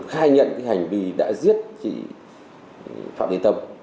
khai nhận hành vi đã giết chị phạm thị tâm